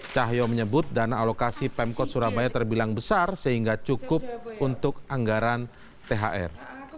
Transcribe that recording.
cahyo menyebut dana alokasi pemkot surabaya terbilang besar sehingga cukup untuk anggaran thr